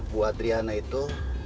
bu adriana itu